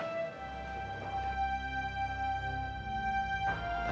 yang akan mendampingi aku di masa depan